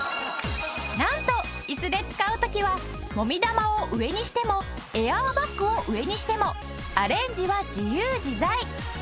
なんと椅子で使う時はもみ玉を上にしてもエアーバッグを上にしてもアレンジは自由自在。